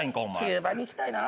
キューバに行きたいな。